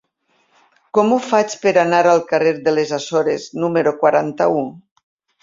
Com ho faig per anar al carrer de les Açores número quaranta-u?